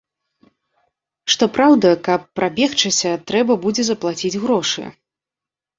Што праўда, каб прабегчыся, трэба будзе заплаціць грошы.